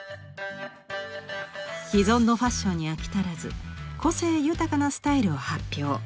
既存のファッションに飽き足らず個性豊かなスタイルを発表。